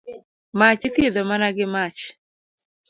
Mach ithiedho mana gi mach.